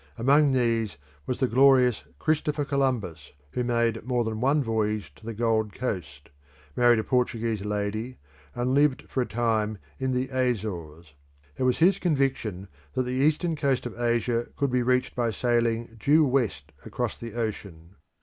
Among these was the glorious Christopher Columbus, who made more than one voyage to the Gold Coast, married a Portuguese lady, and lived for some time in the Azores. It was his conviction that the eastern coast of Asia could be reached by sailing due west across the ocean.